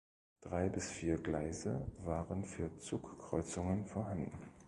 Drei bis vier Gleise waren für Zugkreuzungen vorhanden.